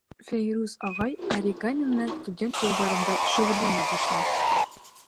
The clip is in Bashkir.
Фәйрүз ағай оригами менән студент йылдарында шөғөлләнә башлай.